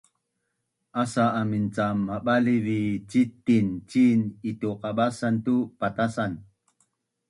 Aca amin cam mabaliv vi citen cin itu qabacan tu patasan